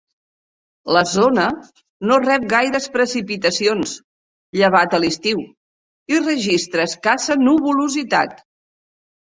La zona no rep gaires precipitacions, llevat a l'estiu, i registra escassa nuvolositat.